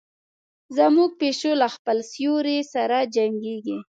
زموږ پیشو له خپل سیوري سره جنګیږي.